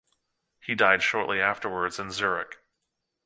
He died shortly afterwards in Zurich.